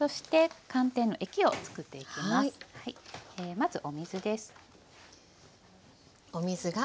まずお水です。